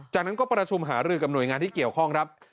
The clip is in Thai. จากนั้นก็ประชุมหารือกับหน่วยงานที่เกี่ยวข้องครับ